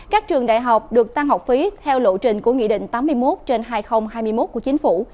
các trường đại học được tăng học phí theo lộ trình của nghị định tám mươi một trên hai nghìn hai mươi một của chính phủ